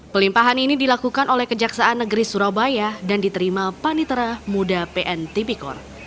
pelimpahan ini dilakukan oleh kejaksaan negeri surabaya dan diterima panitera muda pn tipikor